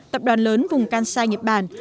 tập đoàn lớn vùng kansai nhật bản